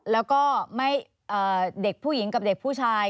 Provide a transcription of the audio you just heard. แล้วก็เด็กผู้หญิงกับเด็กผู้ชาย